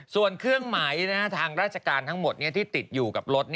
ส่วนเครื่องหมายทางราชการทั้งหมดที่ติดอยู่กับรถ